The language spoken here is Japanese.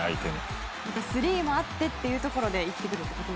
スリーもあってというところで生きてくると。